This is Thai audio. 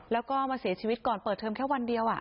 แล้วก็มาเสียชีวิตก่อนเปิดเทอมแค่วันเดียว